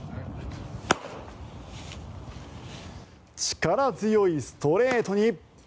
力強いストレートに。